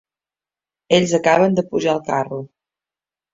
Ells acaben de pujar al carro.